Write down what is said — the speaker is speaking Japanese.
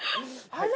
あれ？